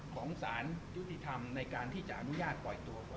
ของสารยุติธรรมในการที่จะอนุญาตปล่อยตัว